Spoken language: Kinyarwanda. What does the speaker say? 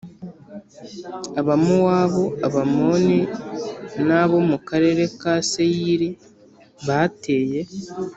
Abamowabu Abamoni n abo mu karere ka Seyiri bateye